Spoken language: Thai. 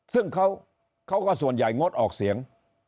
ซึ่งเขาก็ส่วนใหญ่งดออกเสียง